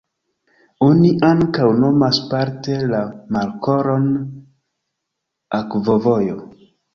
Oni ankaŭ nomas parte la markolon akvovojo.